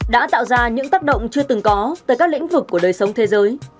đã tạo ra những tác động chưa từng có tới các lĩnh vực của đời sống thế giới